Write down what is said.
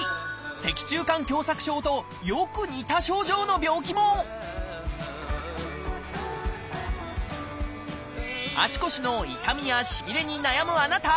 脊柱管狭窄症とよく似た症状の病気も足腰の痛みやしびれに悩むあなた！